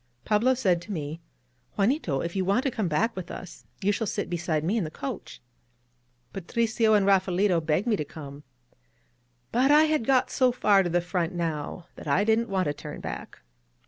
Pablo said to me: ^^Juanito, if you want to come back with us, you shall sit beside me in the coach." Patricio and Raphaelito begged me to come. But I had got so far to the front now that I didn't want to turn back.